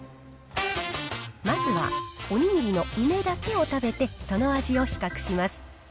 まずは、おにぎりの梅だけを食べて、その味を比較します。